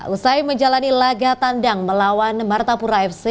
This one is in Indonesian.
usai menjalani laga tandang melawan martapura fc